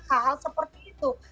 hal hal seperti itu